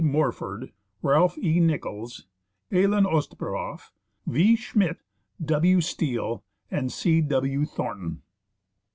Morford, Ralph E. Nichols, Elin Ostberof, V, Schmid, W. Steele, and C. W. Thornton.